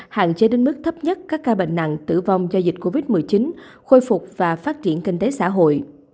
hạn chế đến mức thấp nhất các ca bệnh nặng tử vong do dịch covid một mươi chín khôi phục và phát triển kinh tế xã hội